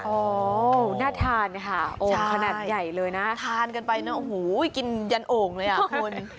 โอ้โหน่าทานค่ะโอ่งขนาดใหญ่เลยนะทานกันไปนะโอ้โหกินยันโอ่งเลยอ่ะคุณ